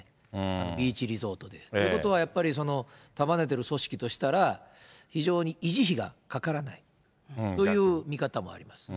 ビーチリゾートで。ということはやっぱり、束ねてる組織としたら、非常に維持費がかからないという見方もありますね。